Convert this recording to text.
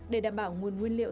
để đảm bảo nguồn nguyên liệu